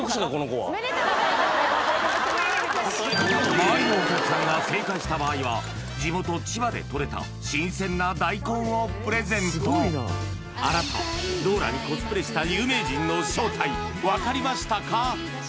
まわりのお客さんが正解した場合は地元千葉でとれた新鮮な大根をプレゼントあなたはドーラにコスプレした有名人の正体分かりましたか？